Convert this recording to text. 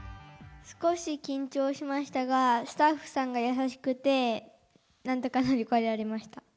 少し緊張しましたが、スタッフさんが優しくて、なんとか乗り越えられました。